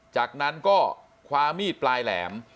จากนั้นก็คว้ามีดปลายแหลม